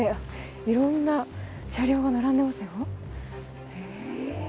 いろんな車両が並んでますよ。